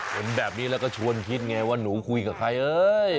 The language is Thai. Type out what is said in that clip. เห็นแบบนี้แล้วก็ชวนคิดไงว่าหนูคุยกับใครเอ้ย